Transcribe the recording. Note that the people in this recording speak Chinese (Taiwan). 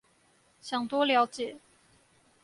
想多了解